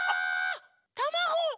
たまご！